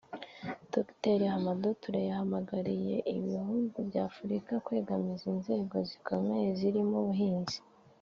Dr Hamadoun Toure yahamagariye ibihugu by’Afurika kwegamiza inzego zikomeye zirimo ubuhinzi